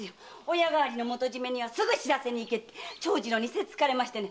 親代わりの元締にすぐ知らせに行けって長次郎にせっつかれましてね。